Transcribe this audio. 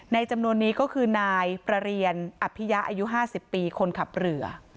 จำนวนนี้ก็คือนายประเรียนอภิยะอายุ๕๐ปีคนขับเรือ